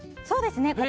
そうですね。